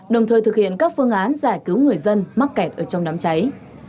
đồng thời thực hiện các phương án giải cứu người dân mắc kẹt ở trong đám cháy